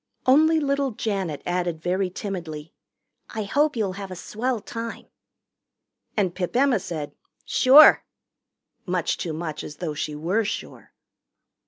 Only little Janet added very timidly, "I hope you'll have a swell time." And Pip Emma said, "Sure," much too much as though she were sure.